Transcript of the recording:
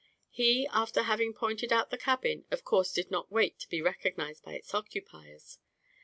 He, after having pointed out the cabin, of course did not wait to be recognised by its occupiers.